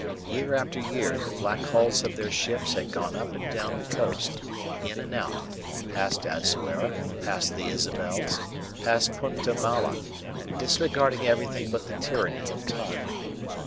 Year after year the black hulls of their ships had gone up and down the coast, in and out, past Azuera, past the Isabels, past Punta Mala disregarding everything but the tyranny of time.